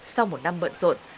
sau một năm bận rộn